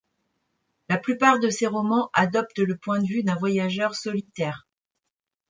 La plupart de ses romans adoptent le point de vue d'un voyageur solitaire.